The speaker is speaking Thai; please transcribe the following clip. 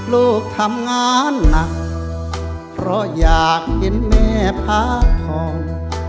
ลูกทำงานหนักเพราะอยากเห็นแม่พักทอง